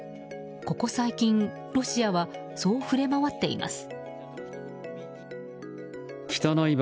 ここ最近ロシアはそう触れ回っています。